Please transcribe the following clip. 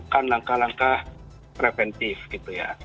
melakukan langkah langkah preventif gitu ya